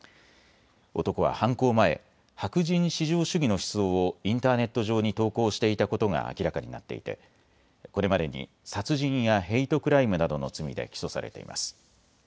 男は犯行前、白人至上主義の思想をインターネット上に投稿していたことが明らかになっていてこれまでに殺人やヘイトクライムなどの罪で起訴されています。